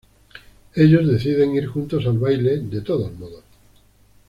Ellos deciden ir juntos al baile de todos modos.